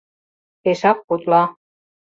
Пешак путла.